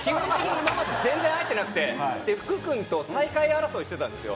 それまで全然入ってなくて、福君と最下位争いしてたんですよ。